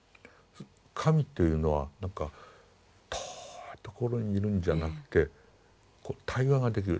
神というのはなんか遠いところにいるんじゃなくてこう対話ができる。